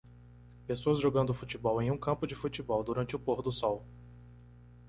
Pessoas jogando futebol em um campo de futebol durante o pôr do sol